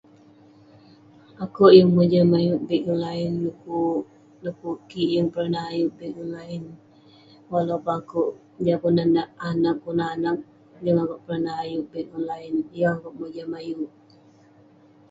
akouk yeng mojam ayuk bank online du'kuk kik yeng pernah ayuk bank online, walaupun akouk yah konak nat anag kunah anag, yeng akouk pernah ayuk bank online yeng akouk mojam ayuk.